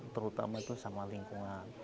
terutama itu sama lingkungan